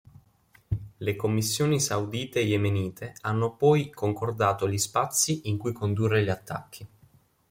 Le commissioni saudite-yemenite hanno poi concordato gli spazi in cui condurre gli attacchi.